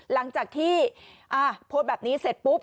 หลังจากที่โพสต์แบบนี้เสร็จปุ๊บ